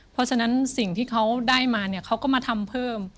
เพราะฉะนั้นสิ่งที่เขาได้มาเนี่ยเขาก็มาทำเพิ่ม